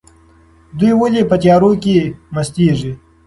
دوی ولې په تیارو کې مستیږي؟